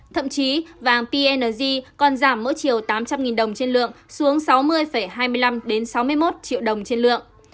thậm chí vàng png còn giảm mỗi chiều tám trăm linh đồng trên lượng xuống sáu mươi hai mươi năm sáu mươi một triệu đồng trên lượng